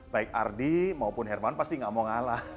baik ardi maupun herman pasti gak mau ngalah